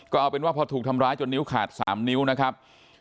ก็เอาเป็นว่าพอถูกทำร้ายจนนิ้วขาด๓นิ้วนะครับ